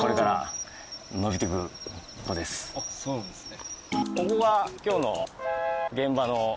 そうなんですね。